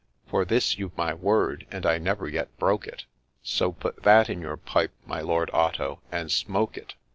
For this you've my word, and I never yet broke it, So put that in your pipe, my Lord Otto, and smoke it